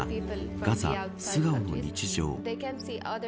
ガザ素顔の日常。